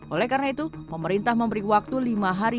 oleh karena itu pemerintah memberi waktu lima hari